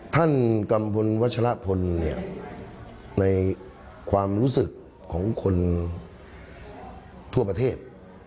กัมพลวัชละพลในความรู้สึกของคนทั่วประเทศ